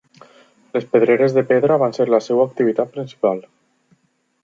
Les pedreres de pedra van ser la seva activitat principal.